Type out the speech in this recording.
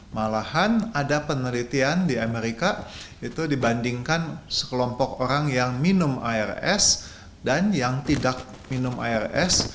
malahan ada penelitian di amerika itu dibandingkan sekelompok orang yang minum air es dan yang tidak minum air es